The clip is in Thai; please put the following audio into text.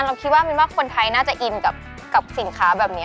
เราคิดว่ามินว่าคนไทยน่าจะอินกับสินค้าแบบนี้